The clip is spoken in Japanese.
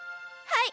はい！